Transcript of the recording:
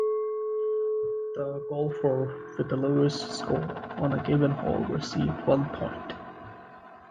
The golfer with the lowest score on a given hole receives one point.